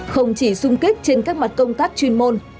không chỉ sung kích trên các mặt công tác chuyên môn